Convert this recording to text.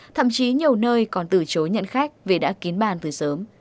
thậm chí nhiều nơi còn từ chối nhận khách vì đã kín bàn từ sớm